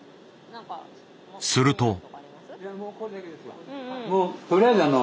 すると。